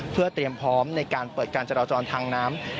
เพื่อเตรียมพร้อมในการเปิดการจราจรทางน้ำ